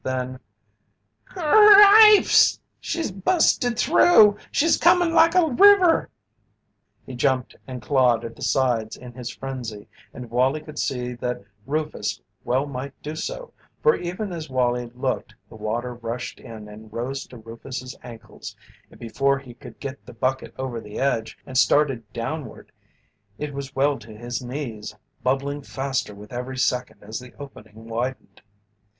Then: "C r rr ripes! She's busted through! She's comin' like a river!" He jumped and clawed at the sides in his frenzy, and Wallie could see that Rufus well might do so, for even as Wallie looked the water rushed in and rose to Rufus's ankles, and before he could get the bucket over the edge and started downward it was well to his knees, bubbling faster with every second as the opening widened.